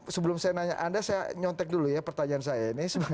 sebelum saya nanya anda saya nyontek dulu ya pertanyaan saya